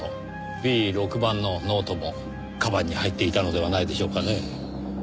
Ｂ６版のノートも鞄に入っていたのではないでしょうかねぇ。